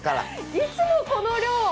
いつもこの量。